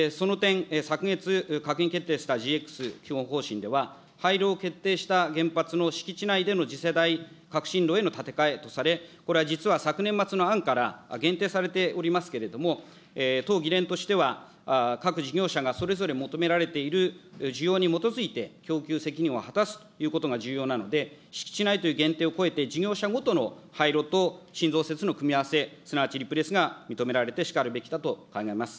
その点、昨月、閣議決定したＧＸ基本方針では、廃炉を決定した原発の敷地内での次世代革新炉への建て替えとされ、これは実は昨年末の案から限定されておりますけれども、党議連としては、各事業者がそれぞれ求められている需要に基づいて供給責任を果たすということが重要なので、敷地内という限定を超えて、事業者ごとの廃炉と新増設の組み合わせ、すなわちリプレースが認められてしかるべきだと考えます。